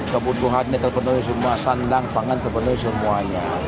kebutuhannya terpenuhi semua sandang pangan terpenuhi semuanya